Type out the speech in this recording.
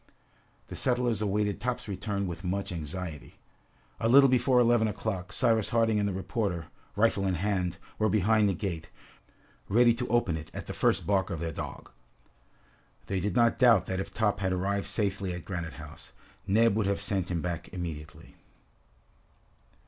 The settlers awaited Top's return with much anxiety. A little before eleven o'clock, Cyrus Harding and the reporter, rifle in hand, were behind the gate, ready to open it at the first bark of their dog. They did not doubt that if Top had arrived safely at Granite House, Neb would have sent him back immediately.